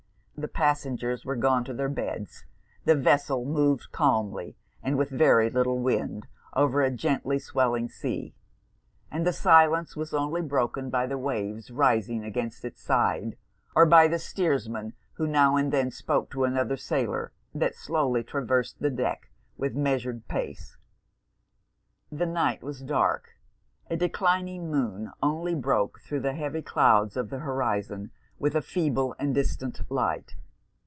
The passengers were gone to their beds, the vessel moved calmly, and with very little wind, over a gently swelling sea; and the silence was only broken by the waves rising against it's side, or by the steersman, who now and then spoke to another sailor, that slowly traversed the deck with measured pace. The night was dark; a declining moon only broke thro' the heavy clouds of the horizon with a feeble and distant light.